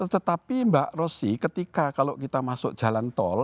tetapi mbak rosy ketika kalau kita masuk jalan tol